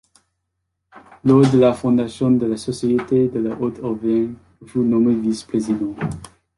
Lors de la fondation de la société de la Haute-Auvergne, il fut nommé vice-président.